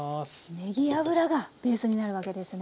ねぎ油がベースになるわけですね。